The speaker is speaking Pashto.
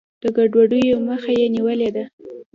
د ګډوډیو مخه یې نیولې ده.